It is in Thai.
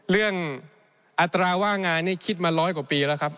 เรื่องอัตราว่างานนี่คิดมา๑๐๐กว่าปีแล้วครับ